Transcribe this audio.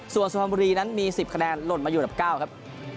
ส่วนสุพรรณบุรีนั้นมี๑๐คะแนนหล่นมาอยู่อันดับ๙ครับ